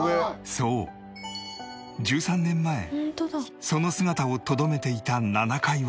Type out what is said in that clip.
そう１３年前その姿をとどめていた７階は